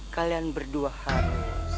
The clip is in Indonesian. kalian berdua harus